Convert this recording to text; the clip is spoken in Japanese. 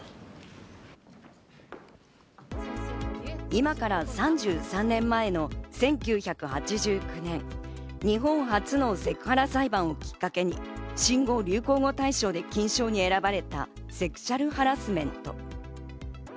今から３３年前の１９８９年、日本初のセクハラ裁判をきっかけに新語・流行語大賞で金賞に選ばれたセクシャル・ハラスメント。